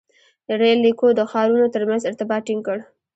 • رېل لیکو د ښارونو تر منځ ارتباط ټینګ کړ.